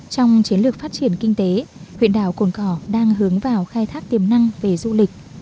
trong chiến lược phát triển kinh tế huyện đảo cồn cỏ đang hướng vào khai thác tiềm năng về du lịch